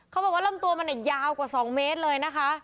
เขาบอกว่าลำตัวมันยาวกว่า๒เมตรเลยนะคะ